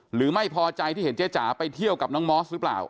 หรือไม่พอใจที่เห็นเจ๊จ๋าไปเที่ยวกับน้องมอสหรือเปล่า